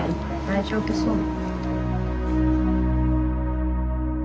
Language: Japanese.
大丈夫そう。